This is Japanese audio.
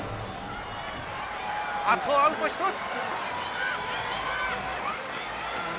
あとアウト１つ！